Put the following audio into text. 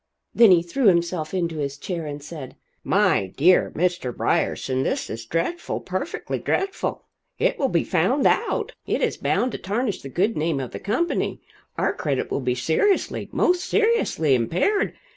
Then he threw himself into his chair and said: "My dear Mr. Brierson, this is dreadful perfectly dreadful. It will be found out. It is bound to tarnish the good name of the company; our credit will be seriously, most seriously impaired.